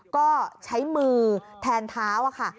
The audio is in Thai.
ก็ใช้มือแทนเท้าค่ะ